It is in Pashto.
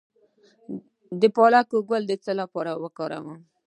د پالک ګل د څه لپاره وکاروم؟